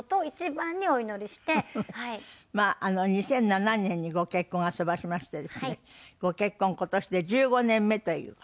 まあ２００７年にご結婚あそばせましてですねご結婚今年で１５年目という。